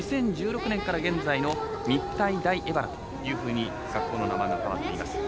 ２０１６年から現在の日体大荏原というふうに名前が変わっています。